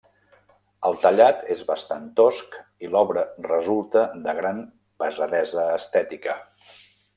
El tallat és bastant tosc i l'obra resulta de gran pesadesa estètica.